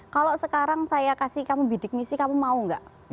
kalau sekarang saya kasih kamu bidik misi kamu mau nggak